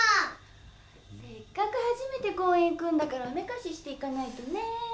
せっかく初めて公園行くんだからおめかしして行かないとね。